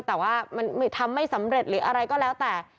แต่ว่ามันทำไม่สำเร็จหรืออะไรก็แล้วแต่